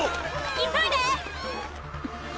急いで！